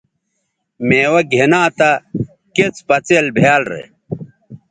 میوہ گِھنا تہ کڅ پڅئیل بھیال رے